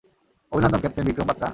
অভিনন্দন, ক্যাপ্টেন বিক্রম বাতরা!